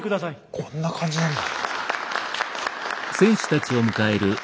こんな感じなんだ。